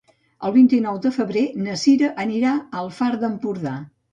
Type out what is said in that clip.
El vint-i-nou de febrer na Cira anirà al Far d'Empordà.